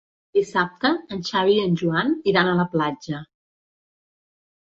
Dissabte en Xavi i en Joan iran a la platja.